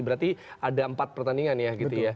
berarti ada empat pertandingan ya